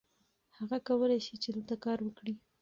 هغه کولی شي چې دلته کار وکړي.